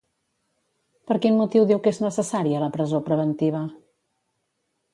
Per quin motiu diu que és necessària la presó preventiva?